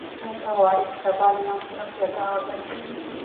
آیا ته غواړې چې سبا له ما سره پیاده وګرځې؟